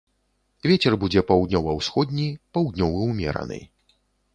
Вецер будзе паўднёва-ўсходні, паўднёвы ўмераны.